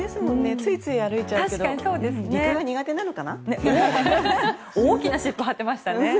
ついつい歩いちゃうけど大きな湿布貼ってましたね。